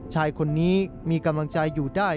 ชายคนนี้มีกำลังใจอยู่ได้